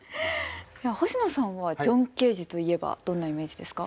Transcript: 星野さんはジョン・ケージといえばどんなイメージですか？